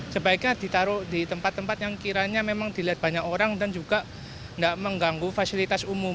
sebaiknya ditaruh di tempat tempat yang kiranya memang dilihat banyak orang dan juga tidak mengganggu fasilitas umum